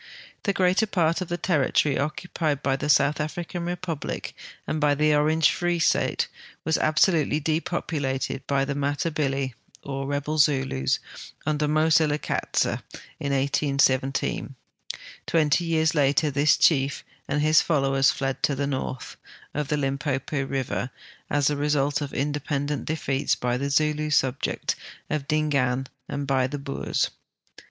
The greater ]>art of the territory occupied by the South African Republic and by the Orange Eree State was absolutely depoi:>u lated by the Matabili (or rebel Zulus) under Moselekatse in 1817. Twenty years later this chief and his followers fled to the north of the Limpopo river, as the result of independent defeats by the Zulu subjects of Dingaan and l)y the Boers.